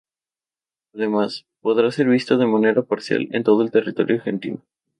Además, podrá ser visto de manera parcial en todo el territorio argentino.